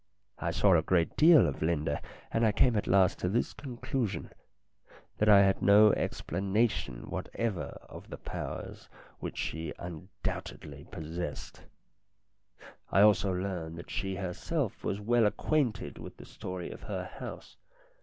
I saw a great deal of Linda, and I came at last to this conclusion, that I had no explanation whatever of the powers which she undoubtedly possessed. I also learned that she herself was well acquainted with the story of her house.